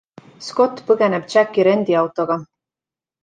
Scott põgeneb Jacki rendiautoga.